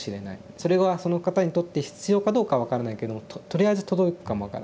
それがその方にとって必要かどうか分からないけどもとりあえず届くかも分からない。